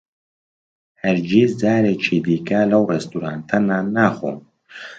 ھەرگیز جارێکی دیکە لەو ڕێستورانتە نان ناخۆم.